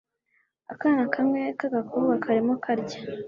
Akana kamwe kagakobwa karimo karya